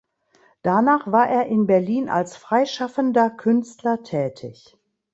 Danach war er in Berlin als freischaffender Künstler tätig.